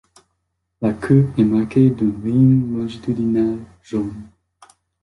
La queue est marquée d'une ligne longitudinale jaune.